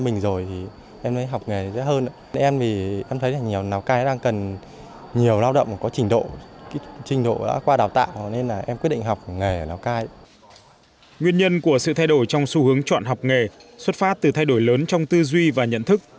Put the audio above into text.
nguyên nhân của sự thay đổi trong xu hướng chọn học nghề xuất phát từ thay đổi lớn trong tư duy và nhận thức